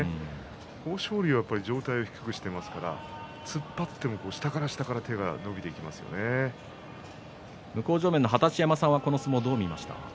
豊昇龍は上体を低くしてますから突っ張っても下から下から向正面の二十山さんどう見ましたか？